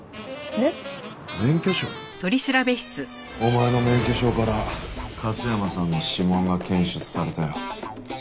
お前の免許証から勝山さんの指紋が検出されたよ。